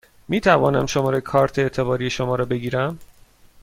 می توانم شماره کارت اعتباری شما را بگیرم؟